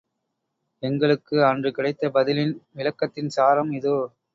எங்களுக்கு அன்று கிடைத்த, பதிலின், விளக்கத்தின் சாரம் இதோ.